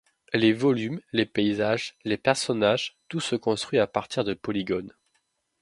Les volumes, les paysages, les personnages, tout se construit à partir de polygones.